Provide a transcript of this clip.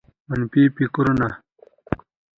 منفي فکرونه